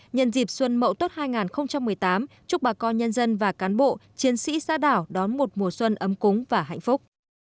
nhân dịp xuân mậu tốt hai nghìn một mươi tám chúc bà con nhân dân và cán bộ chiến sĩ xã đảo đón một mùa xuân ấm cúng và hạnh phúc